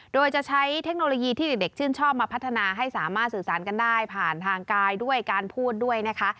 โดยจะใช้เทคโนโลยีที่เด็กชื่นชอบมาพัฒนาให้สามารถสื่อสารกันได้ผ่านทางกายด้วยการพูดด้วยนะคะ